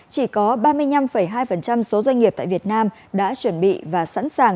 chỉ có ba mươi năm hai số doanh nghiệp tại việt nam đã chuẩn bị và sẵn sàng